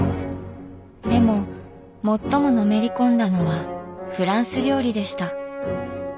でも最ものめり込んだのはフランス料理でした。